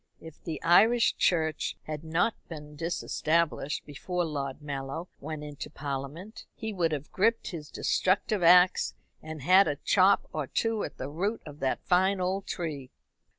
If the Irish Church had not been disestablished before Lord Mallow went into Parliament, he would have gripped his destructive axe and had a chop or two at the root of that fine old tree.